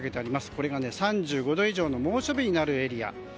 これが３５度以上の猛暑日になるエリア。